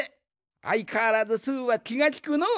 あいかわらずスーはきがきくのう。